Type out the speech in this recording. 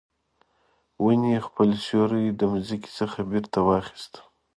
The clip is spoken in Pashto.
ونې خپل سیوری د مځکې څخه بیرته واخیست